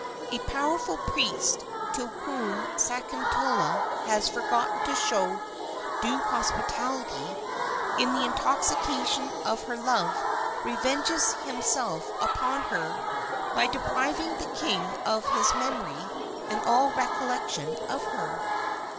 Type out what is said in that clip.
"A powerful priest, to whom Sakuntala has forgotten to show due hospitality, in the intoxication of her love, revenges himself upon her by depriving the king of his memory and of all recollection of her.